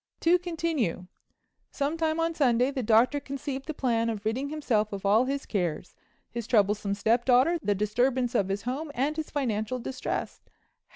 To continue: Sometime on Sunday the Doctor conceived the plan of ridding himself of all his cares—his troublesome stepdaughter, the disturbance of his home and his financial distress.